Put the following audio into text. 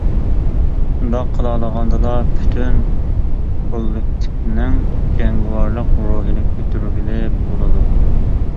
شۇنداق قىلالىغاندىلا پۈتۈن كوللېكتىپنىڭ جەڭگىۋارلىق روھىنى كۆتۈرگىلى بولىدۇ.